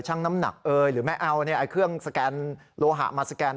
น้ำหนักเอ่ยหรือไม่เอาเครื่องสแกนโลหะมาสแกน